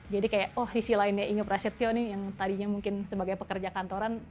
jadi kayak oh sisi lainnya inge presetio nih yang tadinya mungkin sebagai pekerja kantoran